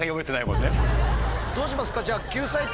どうしますか？